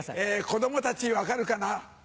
子供たち分かるかな？